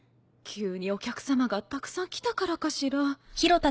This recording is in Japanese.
急にお客さまがたくさん来たからかしら？